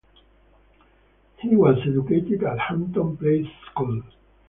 He was educated at Hampton Place school.